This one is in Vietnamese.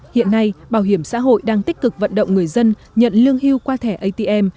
hiện nay bảo hiểm xã hội đang tích cực vận động người dân nhận lương hưu qua thẻ atm